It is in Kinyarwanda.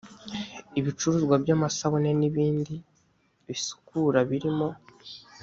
ibicuruzwa by amasabune n ibindi bisukura birimo